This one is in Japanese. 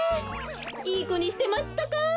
いいこにしてまちたか？